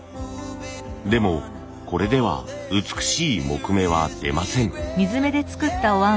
でもこれでは美しい木目は出ません。